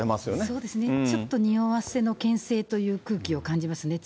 そうですね、ちょっとにおわせのけん制という空気を感じますね。